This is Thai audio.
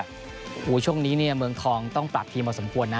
โอ้โหช่วงนี้เนี่ยเมืองทองต้องปรับทีมพอสมควรนะ